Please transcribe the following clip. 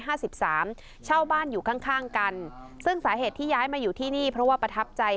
เช่าบ้านอยู่ข้างข้างกันซึ่งสาเหตุที่ย้ายมาอยู่ที่นี่เพราะว่าประทับใจ